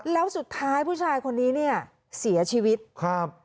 แล้วสุดท้ายผู้ชายคนนี้เนี่ยเสียชีวิตครับ